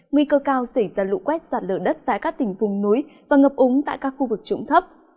nguy cơ cao xảy ra lũ quét sạt lở đất tại các tỉnh vùng núi và ngập úng tại các khu vực trụng thấp